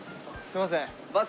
すみません。